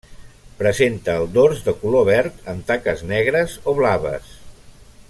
Presenta el dors de color verd, amb taques negres o blaves.